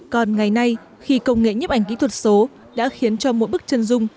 còn ngày nay khi công nghệ nhếp ảnh kỹ thuật số đã khiến cho mỗi bức chân dung